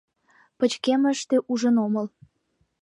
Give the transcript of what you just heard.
Пычкемыште ужын омыл.